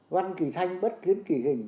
văn kỳ thanh bất kiến kỳ hình